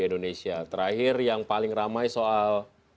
indonesia terakhir yang paling ramai soal